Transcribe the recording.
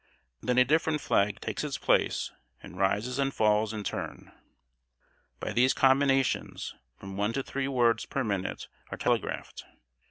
Then a different flag takes its place, and rises and falls in turn. By these combinations, from one to three words per minute are telegraphed.